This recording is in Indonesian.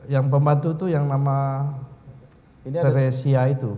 yang pembantu itu yang nama teresia itu